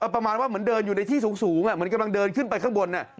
ประมาณว่าเหมือนเดินอยู่ในที่สูงเหมือนกำลังเดินขึ้นไปข้างบน